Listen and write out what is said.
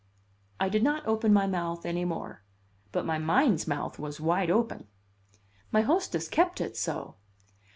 I did not open my mouth any more; but my mind's mouth was wide open. My hostess kept it so.